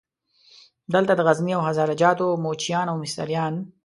دلته د غزني او هزاره جاتو موچیان او مستریان.